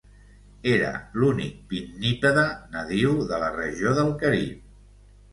Era l'únic pinnípede nadiu de la regió del Carib.